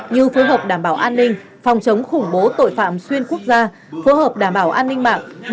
như phối hợp đảm bảo an ninh phòng chống khủng bố tội phạm xuyên quốc gia phối hợp đảm bảo an ninh mạng